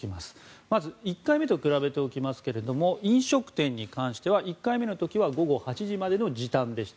まず１回目と比べますと飲食店に関しては１回目に関しては午後８時までの時短でした。